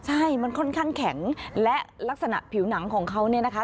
ใช่มันค่อนข้างแข็งและลักษณะผิวหนังของเขาเนี่ยนะคะ